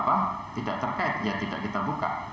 apa tidak terkait ya tidak kita buka